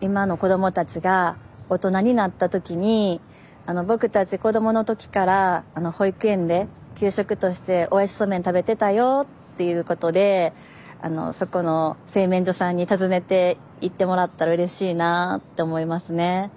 今の子供たちが大人になった時に「僕たち子供の時から保育園で給食として大矢知そうめんを食べてたよ」っていうことでそこの製麺所さんに訪ねていってもらったらうれしいなあって思いますね。